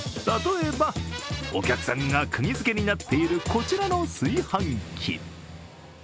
例えば、お客さんがくぎづけになっているこちらの炊飯器。